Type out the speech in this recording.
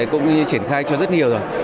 cũng như triển khai cho rất nhiều rồi